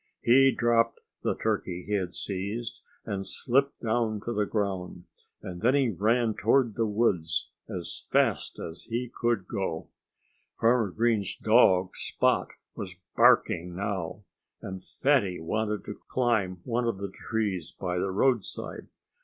He dropped the turkey he had seized and slipped down to the ground. And then he ran toward the woods as fast as he could go. Farmer Green's dog Spot was barking now. And Fatty wanted to climb one of the trees by the roadside.